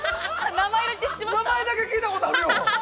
名前だけ聞いたことあるよ！